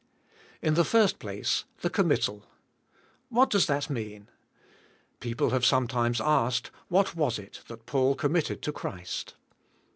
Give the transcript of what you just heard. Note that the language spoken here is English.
In the first place, the committal. What does thatmean? People have sometimes asked. What was it that Paul committed to Christ?